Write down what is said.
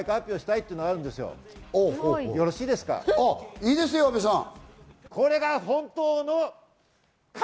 いいですよ、阿部さん。